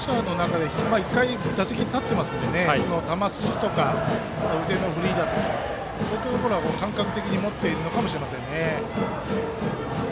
１回打席に立っているので球筋とか、腕の振りとかそういったところは感覚的に持っているのかもしれませんね。